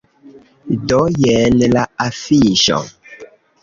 Do, jen la afiŝo.